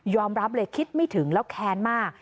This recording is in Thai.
รับเลยคิดไม่ถึงแล้วแค้นมาก